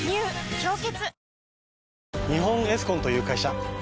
「氷結」